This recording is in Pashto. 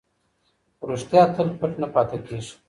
خو رښتیا تل پټ نه پاتې کېږي.